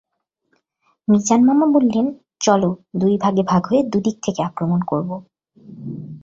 মিজান মামা বললেন, চলো, দুই ভাগে ভাগ হয়ে দুদিক থেকে আক্রমণ করব।